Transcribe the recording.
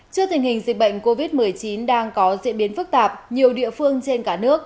trước tình hình dịch bệnh covid một mươi chín đang có diễn biến phức tạp nhiều địa phương trên cả nước